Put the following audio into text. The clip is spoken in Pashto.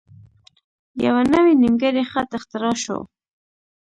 یوه نوی نیمګړی خط اختراع شو.